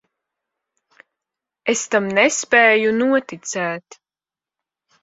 Es tam nespēju noticēt.